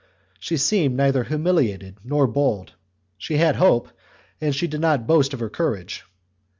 She seemed neither humiliated nor bold; she had hope, and she did not boast of her courage.